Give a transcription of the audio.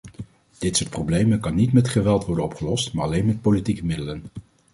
Dit soort problemen kan niet met geweld worden opgelost maar alleen met politieke middelen.